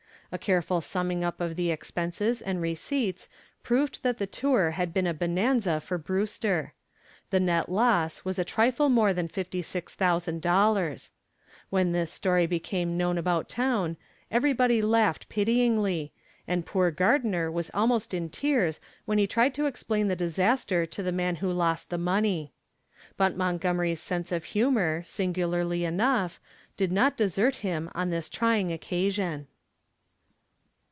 A careful summing up of the expenses and receipts proved that the tour had been a bonanza for Brewster. The net loss was a trifle more than $56,000. When this story became known about town, everybody laughed pityingly, and poor Gardner was almost in tears when he tried to explain the disaster to the man who lost the money. But Monty's sense of humor, singularly enough, did not desert him on this trying occasion.